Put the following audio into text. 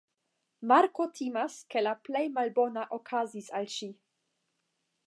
Marko timas ke la plej malbona okazis al ŝi.